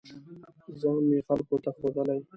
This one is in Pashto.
ځان مې خلکو ته ښودلی